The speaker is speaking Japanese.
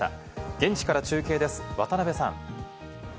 現地から中継です、渡邊さん。